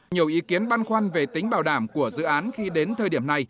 nhiều ý kiến băn khoăn về tính bảo đảm của dự án khi đến thời điểm này